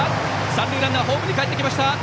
三塁ランナーホームへかえりました。